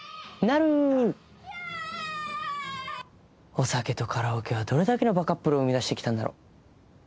お酒とカラオケはどれだけのバカップルを生み出してきたんだろう。